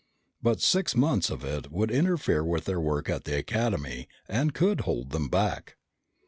But six months of it would interfere with their work at the Academy and could hold them back.